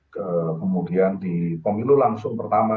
kemudian di pemilu langsung pertama